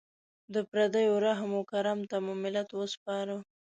د پردیو رحم و کرم ته مو ملت وسپاره.